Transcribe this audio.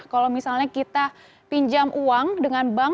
kalau misalnya kita pinjam uang dengan bank